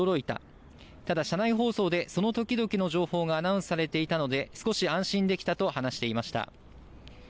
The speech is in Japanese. ただ、車内放送で、そのときどきの情報がアナウンスされていたので、少し安心できたと話していました。